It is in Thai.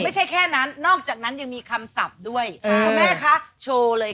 ไม่ใช่แค่นั้นนอกจากนั้นยังมีคำศัพท์ด้วย